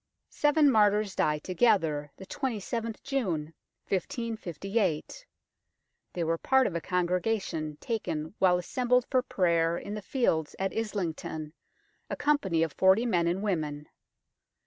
Seven martyrs die together, the 27th June 1558. They were part of a congregation taken while assembled for prayer in the fields at Islington, a company of forty men and women.